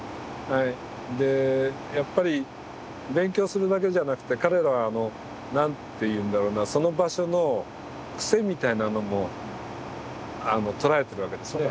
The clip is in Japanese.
でやっぱり勉強するだけじゃなくて彼らは何ていうんだろうなその場所のクセみたいなのも捉えてるわけですね。